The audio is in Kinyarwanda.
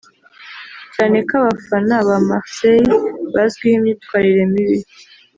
cyane ko abafana ba Marseille bazwiho imyitwarire mibi